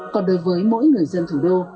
còn đối với mỗi người dân thủ đô